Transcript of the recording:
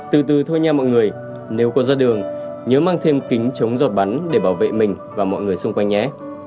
từ từ thôi nhà mọi người nếu có ra đường nhớ mang thêm kính chống giọt bắn để bảo vệ mình và mọi người xung quanh nhé